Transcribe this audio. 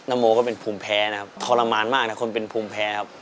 โมก็เป็นภูมิแพ้นะครับทรมานมากนะคนเป็นภูมิแพ้ครับ